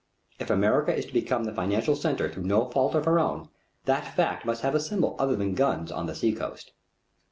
If America is to become the financial centre through no fault of her own, that fact must have a symbol other than guns on the sea coast.